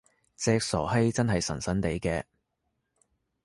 隻傻閪真係神神地嘅！